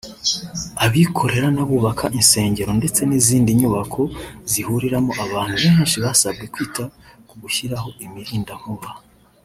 Abikorera n’abubaka insengero ndetse n’izindi nyubako zihuriramo abantu benshi basabwe kwita ku gushyiraho imirindankuba